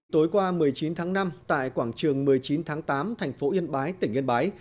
tối qua một mươi chín tháng năm tại quảng trường một mươi chín tháng tám thành phố yên bái tỉnh yên bái